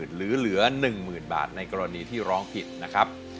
หรือเหลือ๑๐๐๐บาทในกรณีที่ร้องผิดนะครับ